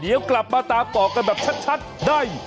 เดี๋ยวกลับมาตามต่อกันแบบชัดได้